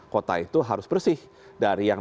kota itu harus bersih dari yang